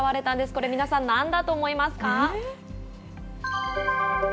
これ皆さん、なんだと思いますか。